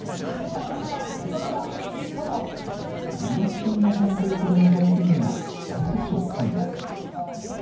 身の危険を感じるほどの暴風雨が大都市を襲います。